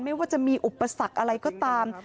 ไม่ว่าจะมีอุปสรรคอะไรก็ตาม